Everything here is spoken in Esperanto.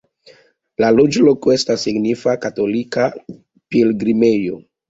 La loĝloko estas signifa katolika pilgrimejo.